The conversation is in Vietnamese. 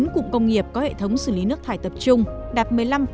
một trăm linh chín cụm công nghiệp có hệ thống xử lý nước thải tập trung đạt một mươi năm tám